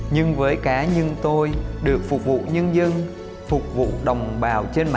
nhưng với cá nhân tôi được phục vụ nhân dân phục vụ đồng bào trên mạng